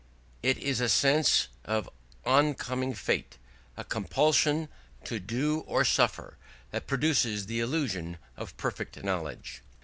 It is a sense of on coming fate, a compulsion to do or to suffer, that produces the illusion of perfect knowledge.